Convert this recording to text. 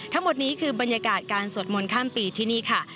ทั้งหมดนี้คือบรรยากาศการสวดมนต์ข้ามปีที่นี่ค่ะ